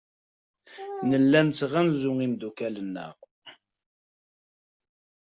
Nella nettɣanzu imeddukal-nteɣ.